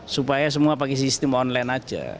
supaya semua pakai sistem online aja